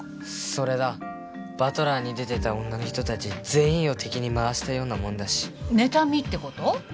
それだ「バトラー」に出てた女の人たち全員を敵に回したようなもんだしねたみってこと？